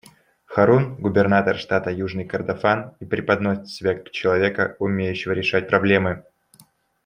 Харун — губернатор штата Южный Кордофан и преподносит себя как человека, умеющего решать проблемы.